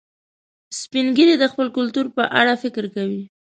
سپین ږیری د خپل کلتور په اړه فخر کوي